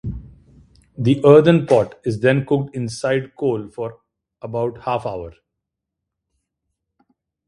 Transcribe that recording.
The earthen pot is then cooked inside coal for about half hour.